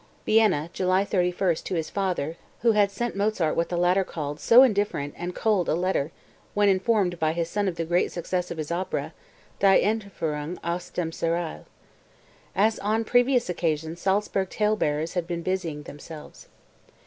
(Vienna, July 31, to his father, who had sent Mozart what the latter called "so indifferent and cold a letter," when informed by his son of the great success of his opera, "Die Entfuhrung aus dem Serail." As on previous occasions Salzburg talebearers had been busying themselves.)